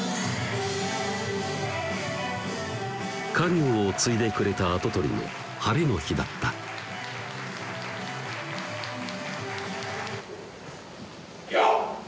家業を継いでくれた跡取りの晴れの日だったよっ！